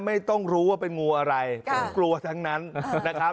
ไม่รู้ว่าเป็นงูอะไรผมกลัวทั้งนั้นนะครับ